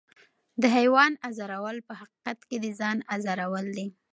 د حیوان ازارول په حقیقت کې د ځان ازارول دي.